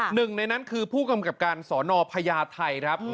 หนึ่งในนั้นคือผู้กำกับการสอนอพญาไทยครับ